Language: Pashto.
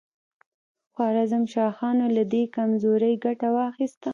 خوارزم شاهانو له دې کمزورۍ ګټه واخیسته.